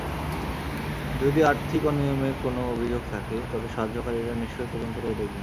যদি আর্থিক অনিয়মের কোনো অভিযোগ থাকে, তবে সাহায্যকারীরা নিশ্চয়ই তদন্ত করে দেখবেন।